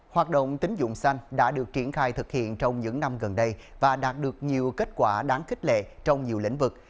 hoạt động tính dụng xanh đã được triển khai thực hiện trong những năm gần đây và đạt được nhiều kết quả đáng khích lệ trong nhiều lĩnh vực